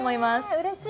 うれしい。